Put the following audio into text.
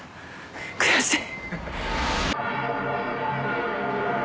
悔しい。